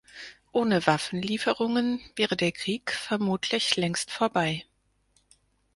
Ohne Waffenlieferungen wäre der Krieg vermutlich längst vorbei.